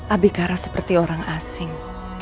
abikara seperti orang asing